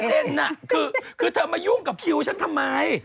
น่ะคือเธอมายุ่งกับคิวฉันทำไม